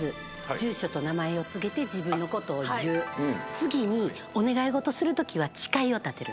次にお願い事するときは誓いを立てる。